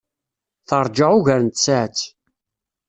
Teṛja ugar n tsaɛet.